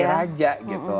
seperti raja gitu